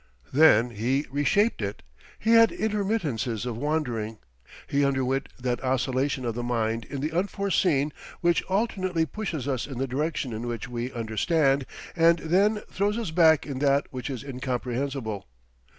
Then he reshaped it. He had intermittances of wandering. He underwent that oscillation of the mind in the unforeseen which alternately pushes us in the direction in which we understand, and then throws us back in that which is incomprehensible.